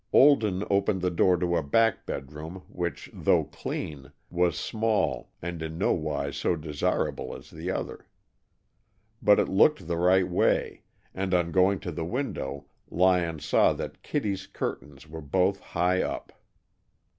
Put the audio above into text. Olden opened the door to a back bedroom which, though clean, was small and in no wise so desirable as the other. But it looked the right way, and on going to the window Lyon saw that Kittie's curtains were both high up.